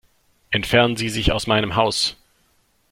Entfernen Sie sich aus meinem Haus.